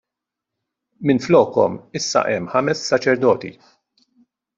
Minflokhom issa hemm ħames saċerdoti.